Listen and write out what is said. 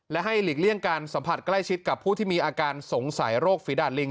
และให้หลีกเลี่ยงการสัมผัสใกล้ชิดกับผู้ที่มีอาการสงสัยโรคฝีดาดลิง